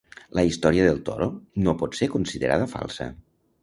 La història del toro no pot ser considerada falsa.